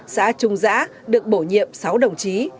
xã trung giã được bổ nhiệm sáu đồng chí